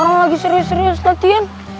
orang lagi serius serius latihan